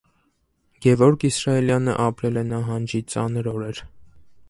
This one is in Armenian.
Գևորգ Իսրայելյանը ապրել է նահանջի ծանր օրեր։